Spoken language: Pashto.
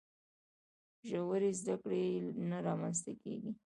ژورې زده کړې نه رامنځته کیږي.